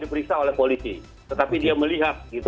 diperiksa oleh polisi tetapi dia melihat